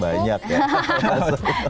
pacarnya banyak ya